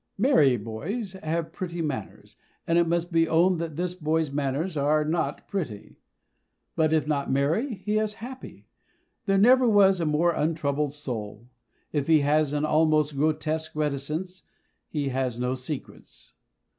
Merry boys have pretty manners, and it must be owned that this boy's manners are not pretty. But if not merry, he is happy; there never was a more untroubled soul. If he has an almost grotesque reticence, he has no secrets.